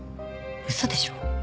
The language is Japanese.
嘘でしょ